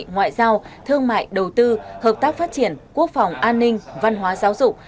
như thương mại đầu tư hợp tác phát triển quốc phòng an ninh văn hóa giáo dục